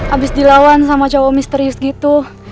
abis dilawan sama cowok misterius gitu